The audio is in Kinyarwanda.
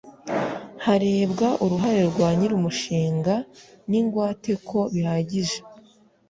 Harebwa uruhare rwa nyir’ umushinga n’ ingwate ko bihagije